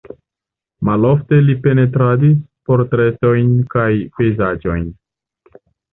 Malofte li pentradis portretojn kaj pejzaĝojn.